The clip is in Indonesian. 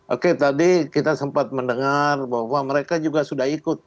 oke tadi kita sempat mendengar bahwa mereka juga sudah ikut